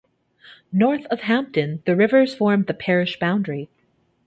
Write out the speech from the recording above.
North of Hamptworth, the river forms the parish boundary.